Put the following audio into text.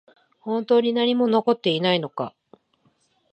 本当に何も残っていないのか？